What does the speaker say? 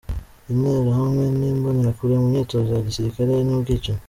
Interahamwe n’imbonerakure mu myitozo ya gisilikare n’ubwicanyi